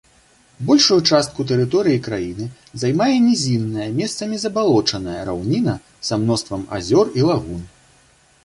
Большую частку тэрыторыі краіны займае нізінная, месцамі забалочаная раўніна са мноствам азёр і лагун.